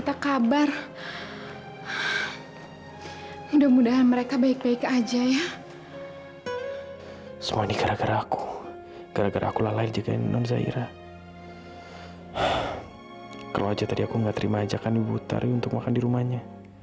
tadi aku gak terima ajakan ibu taru untuk makan di rumahnya